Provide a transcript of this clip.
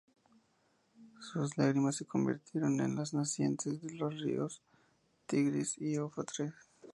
Sus lágrimas se convirtieron en las nacientes de los ríos Tigris y Éufrates.